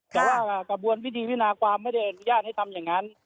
แต่ว่ากระบวนวิธีวินาความไม่ได้อนุญาตให้ทำอย่างนั้น